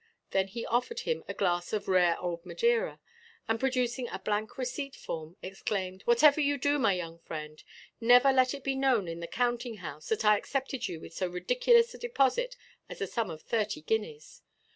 Then he offered him a glass of "rare old Madeira;" and, producing a blank receipt form, exclaimed, "Whatever you do, my young friend, never let it be known in the counting–house that I accepted you with so ridiculous a deposit as the sum of thirty guineas."